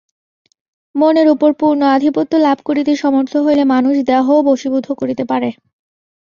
মনের উপর পূর্ণ আধিপত্য লাভ করিতে সমর্থ হইলে মানুষ দেহও বশীভূত করিতে পারে।